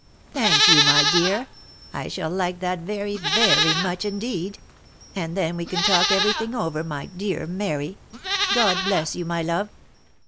" Thank you, my dear. I shall like that very, very much in deed. And then we can talk every thing over, my dear Mary. God bless you, my love.